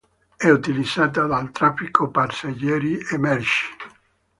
È utilizzata dal traffico passeggeri e merci.